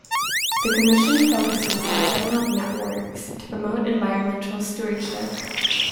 The commission focuses on setting up networks to promote environmental stewardship.